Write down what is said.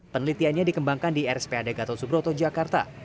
penelitiannya dikembangkan di rspad gatot subroto jakarta